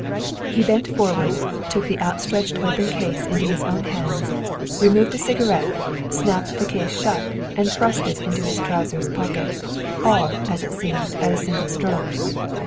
He bent forward, took the outstretched open case into his own hands, removed a cigarette, snapped the case shut and thrust it into his trousers pocket, all, as it seemed, at a single stroke.